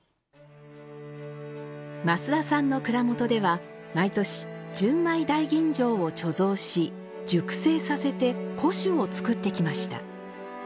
増田さんの蔵元では毎年純米大吟醸を貯蔵し熟成させて古酒を造ってきました。